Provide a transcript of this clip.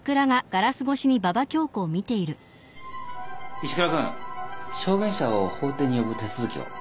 石倉君証言者を法廷に呼ぶ手続きを。